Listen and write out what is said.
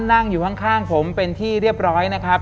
นั่งอยู่ข้างผมเป็นที่เรียบร้อยนะครับ